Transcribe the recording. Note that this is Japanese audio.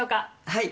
はい。